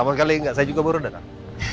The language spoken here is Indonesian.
paling kali enggak saya juga baru datang